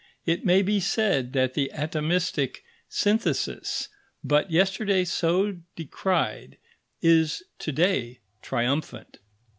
It may be said that the atomistic synthesis, but yesterday so decried, is to day triumphant.